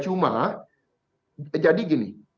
cuma jadi gini